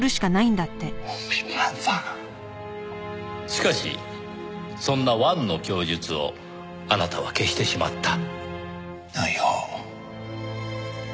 しかしそんな王の供述をあなたは消してしまった。